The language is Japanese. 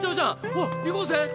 おい行こうぜ！